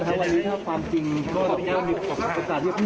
เอาตัวไว้นะโอเค